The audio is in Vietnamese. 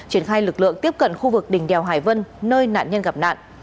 triển khai lực lượng tiếp cận khu vực đỉnh đèo hải vân nơi nạn nhân gặp nạn